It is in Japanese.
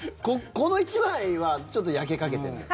この１枚はちょっと焼けかけてるんだよ。